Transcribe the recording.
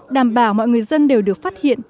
đảm bảo mọi người dân đều được phát hiện